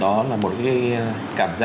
đó là một cái cảm giác nó khá là khó khăn